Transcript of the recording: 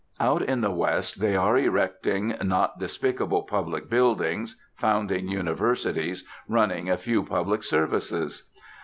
Out in the west they are erecting not despicable public buildings, founding universities, running a few public services.